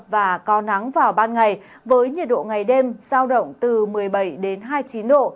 và có nắng vào ban ngày với nhiệt độ ngày đêm giao động từ một mươi bảy đến hai mươi chín độ